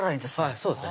そうですね